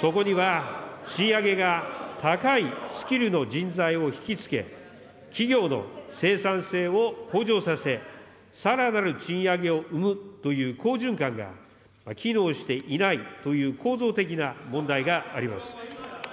そこには、賃上げが、高いスキルの人材を引き付け、企業の生産性を向上させ、さらなる賃上げを生むという好循環が機能していないという構造的な問題があります。